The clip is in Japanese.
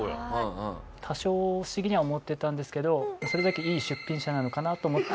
多少不思議には思ってたんですけどそれだけいい出品者なのかなと思って。